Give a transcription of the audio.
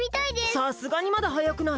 さすがにまだはやくない？